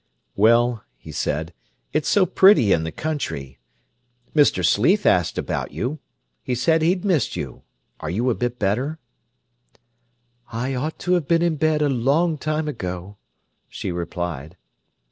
"Well," he said, "it's so pretty in the country. Mr. Sleath asked about you. He said he'd missed you. Are you a bit better?" "I ought to have been in bed a long time ago," she replied.